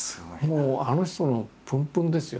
もうあの人のプンプンですよ